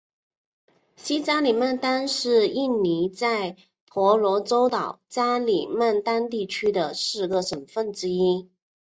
西加里曼丹是印尼在婆罗洲岛加里曼丹地区的四个省份之一。